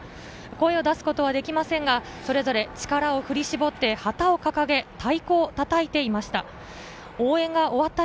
声を出すことはできませんが、それぞれ力を振り絞って、旗を掲げ、太鼓を叩いていました。